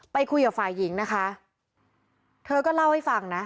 ไปคุยกับฝ่ายหญิงนะคะเธอก็เล่าให้ฟังนะ